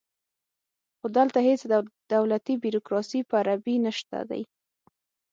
خو دلته هیڅ دولتي بیروکراسي په عربي نشته دی